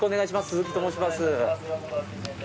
鈴木と申します。